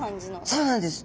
そうなんです。